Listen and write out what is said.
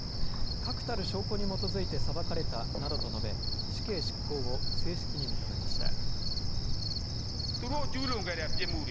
確たる証拠に基づいて裁かれたなどと述べ死刑執行を正式に認めました。